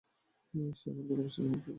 সে আমার ভালোবাসাকে সম্মান করেনি।